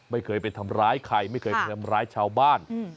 ไม่เคยไปทำร้ายใครไม่เคยไปทำร้ายชาวบ้าน